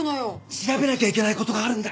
調べなきゃいけない事があるんだ。